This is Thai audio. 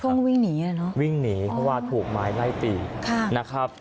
เพราะว่าวิ่งหนีเนี่ยเนอะวิ่งหนีเพราะว่าถูกไม้ไล่ตีนะครับ